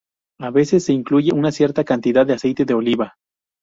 A veces se incluye una cierta cantidad de aceite de oliva.